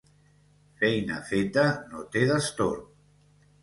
Feina feta no té destorb